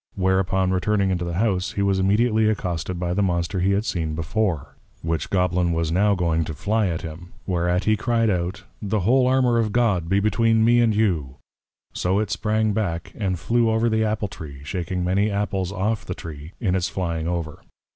Whereupon, returning into the House, he was immediately accosted by the Monster he had seen before; which Goblin was now going to fly at him; whereat he cry'd out, The whole Armour of God be between me and you! So it sprang back, and flew over the Apple tree; shaking many Apples off the Tree, in its flying over.